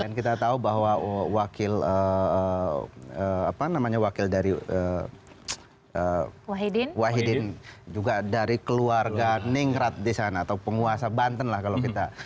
dan kita tahu bahwa wakil apa namanya wakil dari wahidin juga dari keluarga ningrat di sana atau penguasa banten lah kalau kita